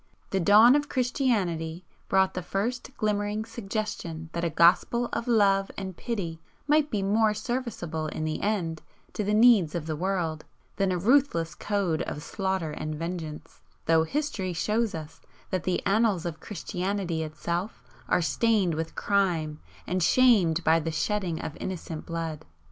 The dawn of Christianity brought the first glimmering suggestion that a gospel of love and pity might be more serviceable in the end to the needs of the world, than a ruthless code of slaughter and vengeance though history shows us that the annals of Christianity itself are stained with crime and shamed by the shedding of innocent blood.